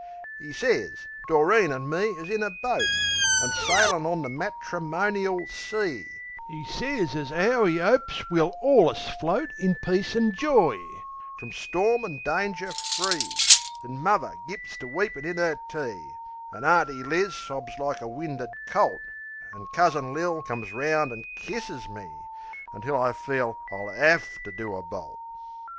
'E sez Doreen an' me is in a boat, An' sailin' on the matrimonial sea. 'E sez as 'ow 'e 'opes we'll allus float In peace an' joy, from storm an' danger free. Then muvver gits to weepin' in 'er tea; An' Auntie Liz sobs like a winded colt; An' Cousin Lil comes 'round an' kisses me; Until I feel I'll 'AVE to do a bolt.